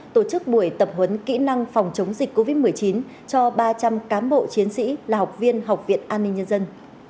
tổ chức buổi tập huấn kỹ năng phòng chống dịch covid một mươi chín cho ba trăm linh cám bộ chiến sĩ là học viên học viện an ninh nhân dân